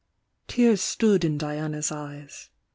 Tears stood in Diana's eyes.